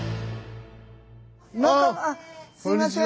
あっすいません。